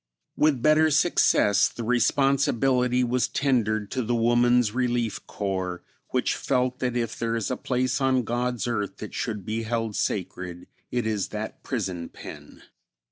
With better success the responsibility was tendered to the Woman's Relief Corps, which felt that if there is a place on God's earth that should be held sacred, it is that prison pen.